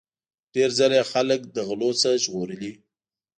ډیر ځله یې خلک له غلو څخه ژغورلي.